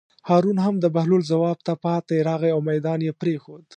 هارون هم د بهلول ځواب ته پاتې راغی او مېدان یې پرېښود.